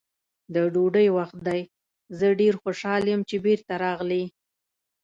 د ډوډۍ وخت دی، زه ډېر خوشحاله یم چې بېرته راغلې.